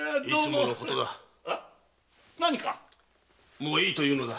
もういいというのだ。